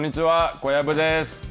小籔です。